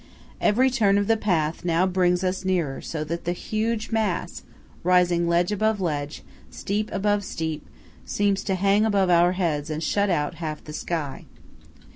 Every turn of the path now brings us nearer, so that the huge mass, rising ledge above ledge, steep above steep, seems to hang above our heads and shut out half the sky.